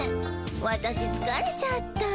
私つかれちゃった。